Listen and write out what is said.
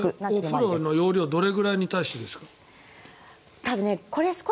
お風呂の容量はどれぐらいに対してですか？